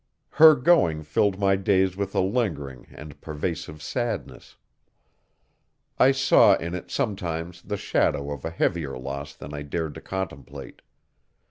Her going filled my days with a lingering and pervasive sadness. I saw in it sometimes the shadow of a heavier loss than I dared to contemplate.